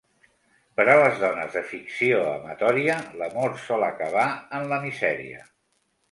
Per a les dones de ficció amatòria, l'amor sol acabar en la misèria.